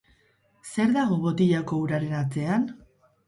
Zer dago botilako uraren atzean?